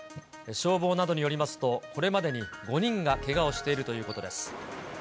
消防などによりますと、これまでに５人がけがをしているということです。